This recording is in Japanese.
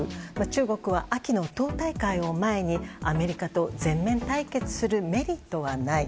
中国は秋の党大会を前にアメリカと全面対決するメリットはない。